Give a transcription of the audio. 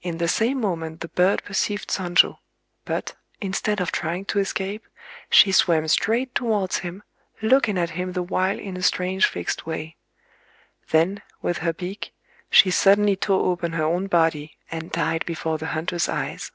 In the same moment the bird perceived Sonjō; but, instead of trying to escape, she swam straight towards him, looking at him the while in a strange fixed way. Then, with her beak, she suddenly tore open her own body, and died before the hunter's eyes...